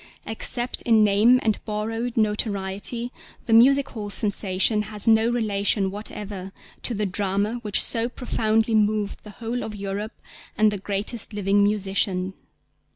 Except in 'name and borrowed notoriety' the music hall sensation has no relation whatever to the drama which so profoundly moved the whole of Europe and the greatest living musician.